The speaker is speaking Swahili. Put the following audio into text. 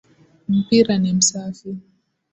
Mpira ni msafi